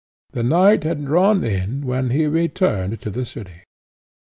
The night had drawn in when he returned to the city.